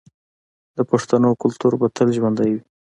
د پښتنو کلتور به تل ژوندی وي.